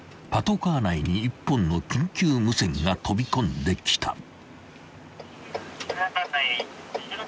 ［パトカー内に１本の緊急無線が飛び込んできた］